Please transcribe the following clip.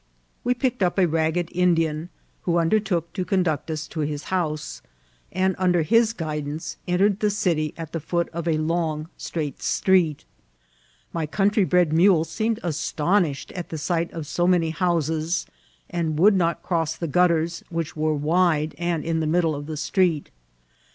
. We picked up a ragged Indian, who undertook to conduct us to his house, and under his guidance enter ed the city at the foot of a long straight street. My coantry bred mule seemed astonished at the sight of so many houses, and would not cross the gutters, which were wide, and in the middle of the street.